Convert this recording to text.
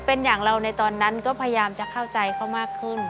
เป็นอย่างเราในตอนนั้นก็พยายามจะเข้าใจเขามากขึ้น